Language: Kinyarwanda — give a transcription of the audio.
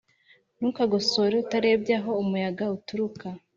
Ntukagosore utarebye aho umuyaga uturuka,